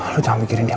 lo jangan mikirin dia